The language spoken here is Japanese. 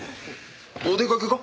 お出かけか？